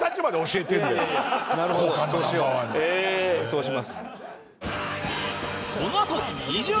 そうします。